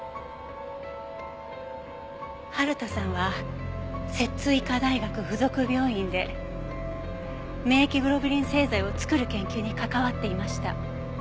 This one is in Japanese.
春田さんは摂津医科大学附属病院で免疫グロブリン製剤を作る研究に関わっていました。